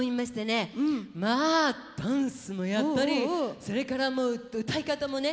まあダンスもやったりそれから歌い方もね